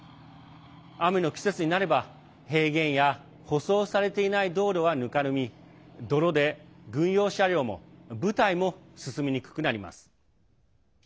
雨の季節になれば平原や舗装されていない道路はぬかるみ泥で、軍用車両も部隊も進みにくくなります。